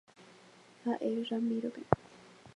Ha'e Ramiro-pe.